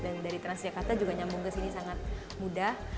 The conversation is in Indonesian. dan dari transjakarta juga nyambung ke sini sangat mudah